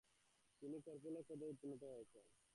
তিনি কর্পোরাল পদে উন্নীত হন।